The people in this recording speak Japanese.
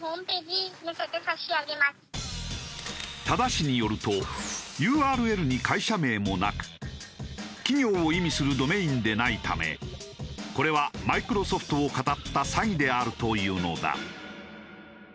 多田氏によるとＵＲＬに会社名もなく企業を意味するドメインでないためこれはマイクロソフトをかたった詐欺であるというのだ。